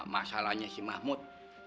masalahnya si mahmud